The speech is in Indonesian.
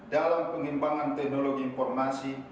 dalam pengimbangan teknologi informasi